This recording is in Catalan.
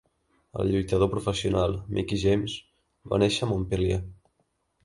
El lluitador professional Mickie James va néixer a Montpeiler.